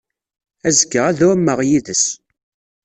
Azekka, ad ɛumeɣ yid-s.